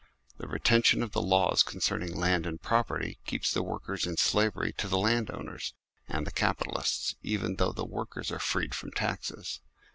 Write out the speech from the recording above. The retention of the laws concerning land and property keeps the workers in slavery to the landowners and the capitalists, even though the workers are freed from taxes.